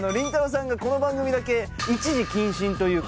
さんがこの番組だけ一時謹慎というか。